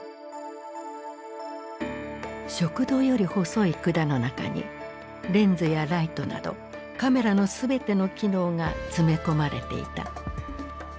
食道より細い管の中にレンズやライトなどカメラの全ての機能が詰め込まれていた。